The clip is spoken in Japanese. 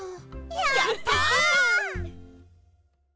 やった！